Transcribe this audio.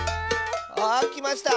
あきました！